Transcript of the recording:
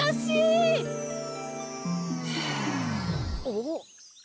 おっ？